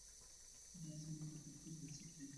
دا زموږ د کلتور بنسټ دی.